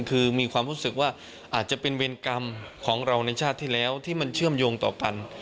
คือมีความรู้สึกว่าอาจจะเป็นเวรกรรมของเราในชาติที่แล้วที่มันเชื่อมโยงต่อกัน